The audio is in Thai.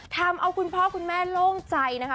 ทำเอาคุณพ่อคุณแม่โล่งใจนะคะ